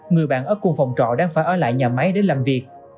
người bạn ở cùng phòng trọ đang phải ở lại nhà máy để làm việc